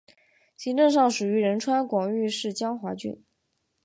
行政上属于仁川广域市江华郡。